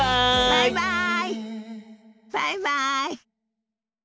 バイバイ！